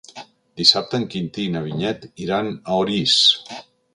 Dissabte en Quintí i na Vinyet iran a Orís.